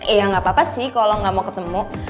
ya gak apa apa sih kalo gak mau ketemu